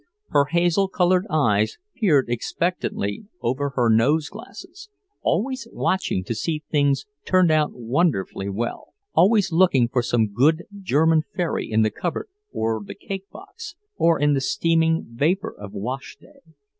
Her hazel coloured eyes peered expectantly over her nose glasses, always watching to see things turn out wonderfully well; always looking for some good German fairy in the cupboard or the cake box, or in the steaming vapor of wash day.